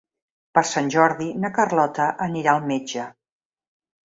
Per Sant Jordi na Carlota anirà al metge.